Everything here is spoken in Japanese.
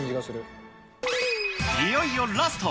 いよいよラスト。